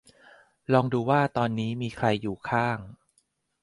ลองดูว่าตอนนี้มีใครอยู่ข้าง